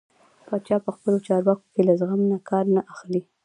پاچا په خپلو چارو کې له زغم نه کار نه اخلي .